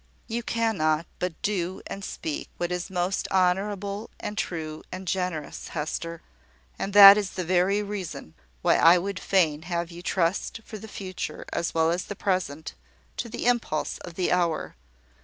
"You cannot but do and speak what is most honourable, and true, and generous, Hester; and that is the very reason why I would fain have you trust, for the future as well as the present, to the impulse of the hour.